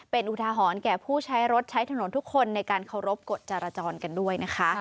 เป็นอุทาหรณ์แก่ผู้ใช้รถใช้ถนนทุกคนในการเคารพกฎจรจรกันด้วยนะคะ